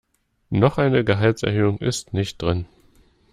Noch eine Gehaltserhöhung ist nicht drin.